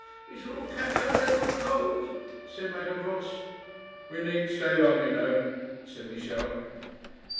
'We shall all catch our death of cold,' said Madame Voss. 'We needn't stay long, you know,' said Michel.